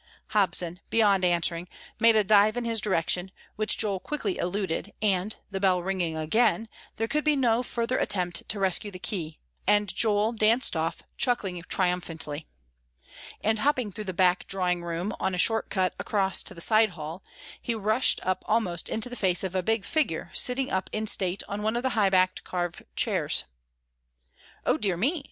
Hobson, beyond answering, made a dive in his direction, which Joel quickly eluded, and, the bell ringing again, there could be no further attempt to rescue the key, and Joel danced off, chuckling triumphantly. And hopping through the back drawing room on a short cut across to the side hall, he rushed up almost into the face of a big figure sitting up in state on one of the high backed carved chairs. "O dear me!"